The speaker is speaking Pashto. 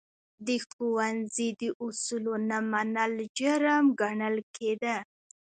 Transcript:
د ښوونځي د اصولو نه منل، جرم ګڼل کېده.